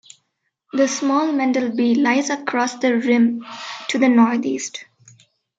The small Mendel B lies across the rim to the northeast.